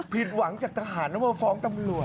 ผิดหวังจากทหารแล้วมาฟ้องตำรวจ